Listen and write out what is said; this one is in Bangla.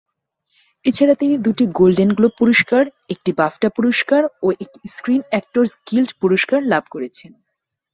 এছাড়া তিনি দুটি গোল্ডেন গ্লোব পুরস্কার, একটি বাফটা পুরস্কার ও একটি স্ক্রিন অ্যাক্টরস গিল্ড পুরস্কার লাভ করেছেন।